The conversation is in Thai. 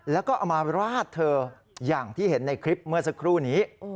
แล้วก็เอามาราดเธออย่างที่เห็นในคลิปเมื่อสักครู่นี้